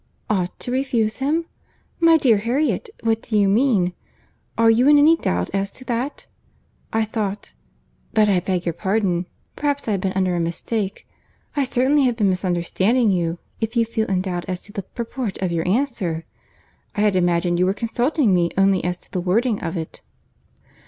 "Ought to refuse him! My dear Harriet, what do you mean? Are you in any doubt as to that? I thought—but I beg your pardon, perhaps I have been under a mistake. I certainly have been misunderstanding you, if you feel in doubt as to the purport of your answer. I had imagined you were consulting me only as to the wording of it."